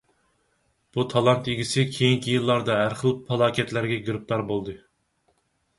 بۇ تالانت ئىگىسى كېيىنكى يىللاردا ھەر خىل پالاكەتلەرگە گىرىپتار بولدى.